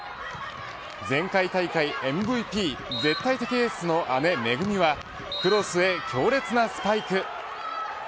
前回大会ＭＶＰ絶対的エースの姉めぐみはクロスへ強烈なスパイク。